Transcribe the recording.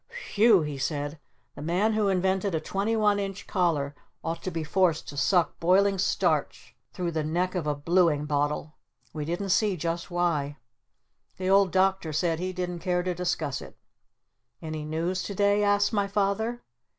"W hew!" he said. "The man who invented a 21 inch collar ought to be forced to suck boiling starch through the neck of a Blueing Bottle!" We didn't see just why. The Old Doctor said he didn't care to discuss it. "Any news to day?" asked my Father.